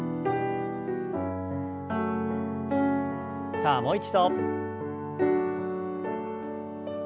さあもう一度。